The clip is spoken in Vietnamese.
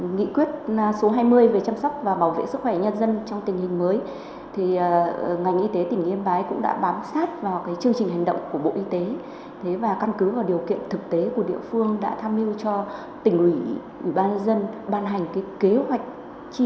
nghị quyết số hai mươi về chăm sóc và bảo vệ sức khỏe nhân dân trong tình hình mới